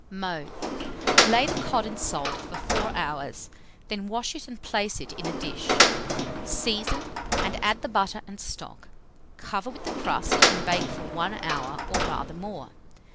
Mode. Lay the cod in salt for 4 hours, then wash it and place it in a dish; season, and add the butter and stock; cover with the crust, and bake for 1 hour, or rather more.